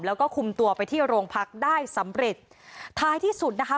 แล้วก็คุมตัวไปที่โรงพักได้สำเร็จท้ายที่สุดนะคะ